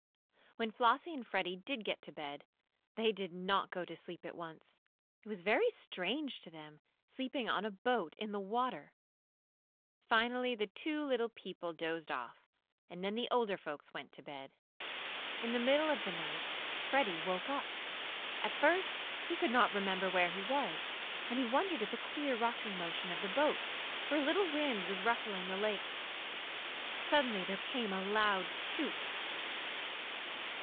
When Flossie and Freddie did get to bed, they did not go to sleep at once. It was very strange to them, sleeping on a boat in the water. Finally the two little people dozed off, and then the older folks went to bed. In the middle of the night Freddie woke up. At first he could not remember where he was, and he wondered at the queer rocking motion of the boat, for a little wind was ruffling the lake. Suddenly there came a loud toot.